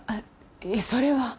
それは。